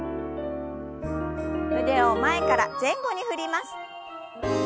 腕を前から前後に振ります。